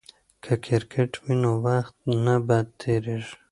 که کرکټ وي نو وخت نه بد تیریږي.